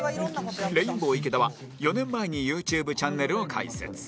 レインボー池田は４年前にユーチューブチャンネルを開設